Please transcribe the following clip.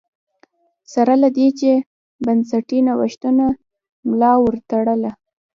سره له دې چې بنسټي نوښتونو ملا ور وتړله